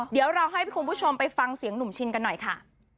เดี๋ยวเราให้คุณผู้ชมไปฟังเสียงหนุ่มชินกันหน่อยค่ะ